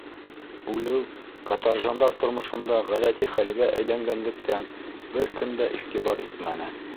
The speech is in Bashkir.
Үлеү каторжандар тормошонда ғәҙәти хәлгә әйләнгәнлектән бер кем дә иғтибар итмәне.